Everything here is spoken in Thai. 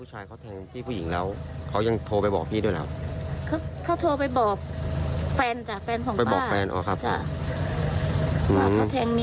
หรือว่าไม่มีแฟนใหม่